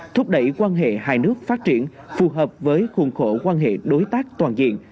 thúc đẩy quan hệ hai nước phát triển phù hợp với khuôn khổ quan hệ đối tác toàn diện